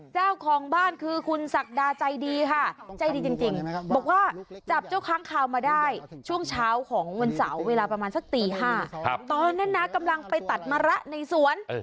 เจ้าของบ้านคือคุณศักดาใจดีค่ะใจดีจริงบอกว่าจับเจ้าค้างคาวมาได้ช่วงเช้าของวันเสาร์เวลาประมาณสักตี๕ตอนนั้นนะกำลังไปตัดมะระในสวน